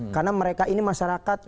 karena mereka ini masyarakat antusias